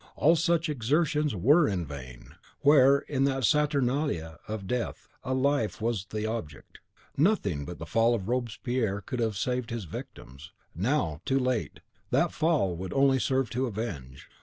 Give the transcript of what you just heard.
All such exertions WERE in vain, where, in that Saturnalia of death, a life was the object. Nothing but the fall of Robespierre could have saved his victims; now, too late, that fall would only serve to avenge.